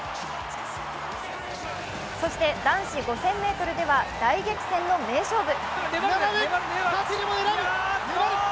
そして男子５０００ｍでは、大激戦の名勝負。